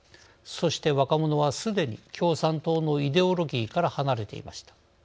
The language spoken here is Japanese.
そして、若者はすでに共産党のイデオロギーから離れていました。